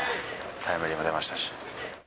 タイムリーも出ましたし。